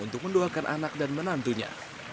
untuk mendoakan anak dan menantunya